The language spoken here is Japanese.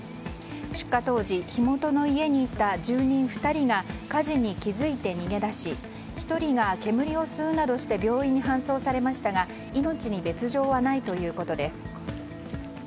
出火当時、火元の家にいた住人２人が火事に気付いて逃げ出し１人が煙を吸うなどして病院に搬送されましたが命に別条はないということです。